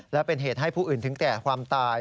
และเป็นเหตุให้ผู้อื่นถึงแก่ความตาย